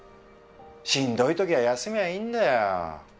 しんどい時は休みゃいいんだよ。